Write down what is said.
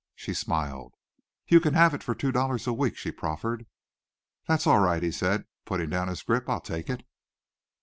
She smiled. "You can have it for two dollars a week," she proffered. "That's all right," he said, putting down his grip. "I'll take it."